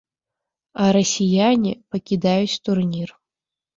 А расіяне пакідаюць турнір.